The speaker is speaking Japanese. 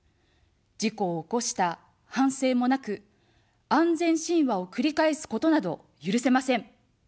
事故を起こした反省もなく、安全神話を繰り返すことなど許せません。